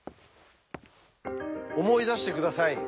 思い出して下さい。